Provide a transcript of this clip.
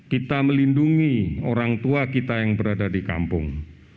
kita melindungi orang tua kita yang berada di kampung